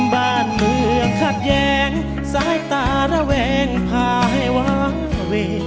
บ้านเมืองขัดแย้งสายตาระแวงพาให้วางเว